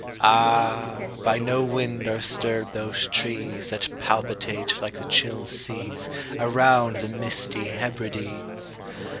Ah, by no wind are stirred those trees That palpitate like the chill seas Around the misty Hebrides!